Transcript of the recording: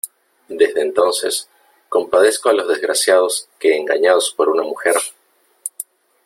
desde entonces compadezco a los desgraciados que engañados por una mujer ,